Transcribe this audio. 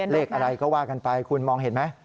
เลขอะไรก็ว่ากันไปคุณมองเห็นไหม